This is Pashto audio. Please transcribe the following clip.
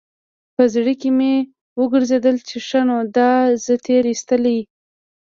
په زړه کښې مې وګرځېدل چې ښه نو دا زه تېر ايستلى.